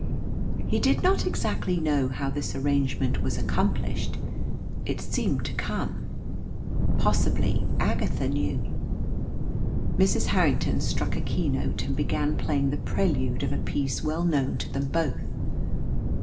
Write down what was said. He did not exactly know how this arrangement was accomplished it seemed to come. Possibly Agatha knew. Mrs. Harrington struck a keynote and began playing the prelude of a piece well known to them both.